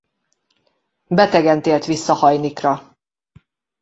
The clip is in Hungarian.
Betegen tért vissza Hajnikra.